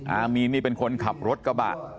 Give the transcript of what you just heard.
อามีนนี่เป็นคนขับรถกระบะ